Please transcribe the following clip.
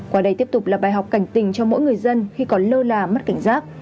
qua đây tiếp tục là bài học cảnh tình cho mỗi người dân khi còn lơ là mất cảnh giác